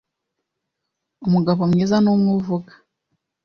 Umugabomwiza ni umwe uvuga